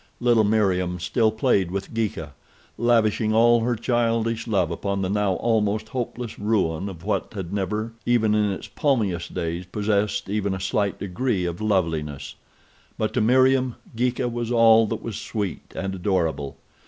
Little Meriem still played with Geeka, lavishing all her childish love upon the now almost hopeless ruin of what had never, even in its palmiest days, possessed even a slight degree of loveliness. But to Meriem, Geeka was all that was sweet and adorable.